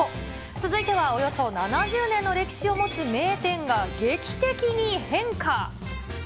続いては、およそ７０年の歴史を持つ名店が、劇的に変化。